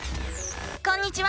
こんにちは！